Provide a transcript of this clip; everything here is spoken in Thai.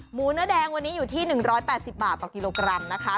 เนื้อแดงวันนี้อยู่ที่๑๘๐บาทต่อกิโลกรัมนะคะ